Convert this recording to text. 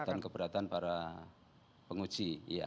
keberatan keberatan para penguji